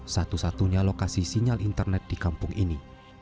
satu satunya lokasi sinyal internet di kampung ini